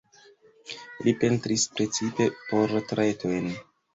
Li pentris precipe portretojn.